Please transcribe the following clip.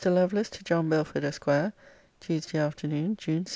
LOVELACE, TO JOHN BELFORD, ESQ. TUESDAY AFTERNOON, JUNE 6.